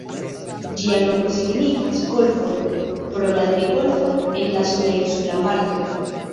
Ĝia nomo signifas "Golfoj", pro la tri golfoj en la suda insula parto.